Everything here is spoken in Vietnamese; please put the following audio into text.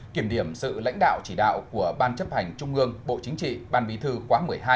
kiểm điểm sự lãnh đạo chỉ đạo của ban chấp hành trung ương bộ chính trị ban bí thư quá một mươi hai